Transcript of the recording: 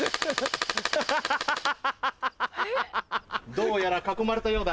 どうやら囲まれたようだ。